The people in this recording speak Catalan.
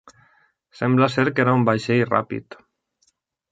Sembla ser que era un vaixell ràpid.